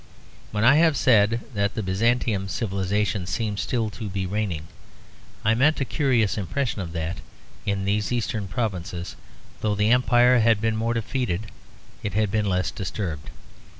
When I have said that the Byzantian civilisation seemed still to be reigning, I meant a curious impression that, in these Eastern provinces, though the Empire had been more defeated it has been less disturbed.